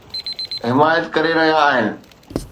حمايت ڪري رهيا آهن